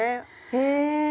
へえ。